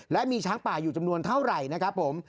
และมีช้างป่าอยู่จำนวนเท่าไหร่นะครับผม